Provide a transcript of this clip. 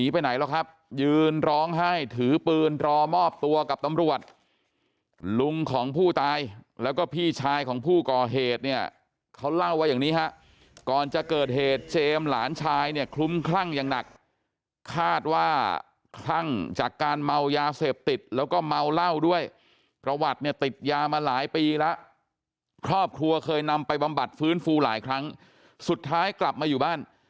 ยืนร้องไห้ถือปืนรอมอบตัวกับตำรวจลุงของผู้ตายแล้วก็พี่ชายของผู้ก่อเหตุเนี่ยเขาเล่าว่าอย่างนี้ฮะก่อนจะเกิดเหตุเจมส์หลานชายเนี่ยคลุ้มคลั่งอย่างหนักคาดว่าคลั่งจากการเมายาเสพติดแล้วก็เมาเหล้าด้วยประวัติเนี่ยติดยามาหลายปีแล้วครอบครัวเคยนำไปบำบัดฟื้นฟูหลายครั้งสุดท้ายกลับมาอยู่บ้าน